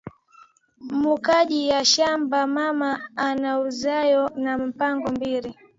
Mu kaji ya mashamba mama ana uziyamo ma mpango mbiri